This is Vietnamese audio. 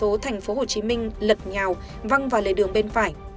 xe tải nhỏ biển số tp hcm lật nhào văng vào lề đường bên phải